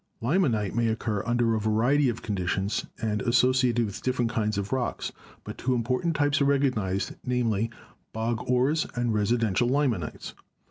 Limonite may occur under a variety of conditions and associated with different kinds of rocks, but two important types are recognised, viz., bog ores and residual limonites.